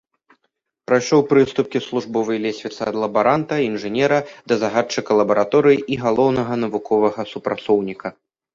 Прайшоў прыступкі службовай лесвіцы ад лабаранта, інжынера да загадчыка лабараторыі і галоўнага навуковага супрацоўніка.